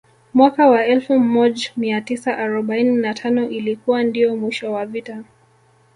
Mwaka wa elfu moj mia tisa arobaini na tano ilikuwa ndio mwisho wa vita